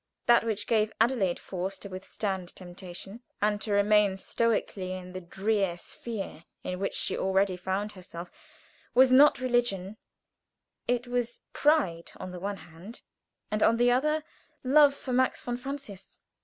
That which gave Adelaide force to withstand temptation, and to remain stoically in the drear sphere in which she already found herself, was not religion; it was pride on the one hand, and on the other love for Max von Francius.